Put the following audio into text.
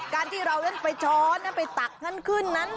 การที่เรายังไปช้อนนะไปตักขึ้นนั้น